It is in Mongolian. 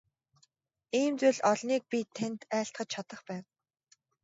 Ийм зүйл олныг би танд айлтгаж чадах байна.